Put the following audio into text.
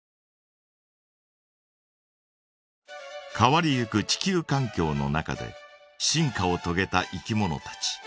変わりゆく地球かん境の中で進化をとげたいきものたち。